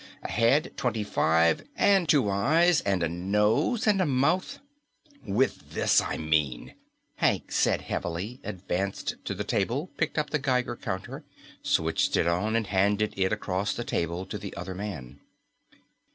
A head, twenty five. And two eyes and a nose and a mouth " "With this, I mean," Hank said heavily, advanced to the table, picked up the Geiger counter, switched it on, and handed it across the table to the other man.